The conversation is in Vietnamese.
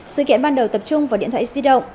sự kiện ban đầu tập trung vào điện thoại di động